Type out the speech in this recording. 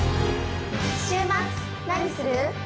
週末何する？